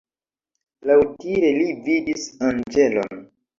Laŭdire li vidis anĝelon.